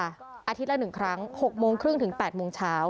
อาทิตย์ละ๑ครั้ง๖โมงครึ่งถึง๘โมงเช้า